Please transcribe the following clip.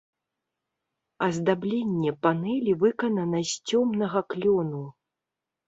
Аздабленне панэлі выканана з цёмнага клёну.